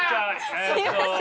すいません。